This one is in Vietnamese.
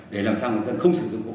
để làm sao người dân không sử dụng gỗ